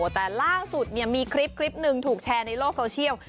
แต่ล่าสุดมีคลิปหนึ่งถูกแชร์ในโลกโซเชียล